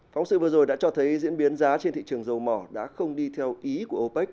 phóng sự vừa rồi đã cho thấy diễn biến giá trên thị trường dầu mỏ đã không đi theo ý của opec